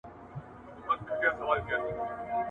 آیا پوليسو پوره پلټنه وکړه؟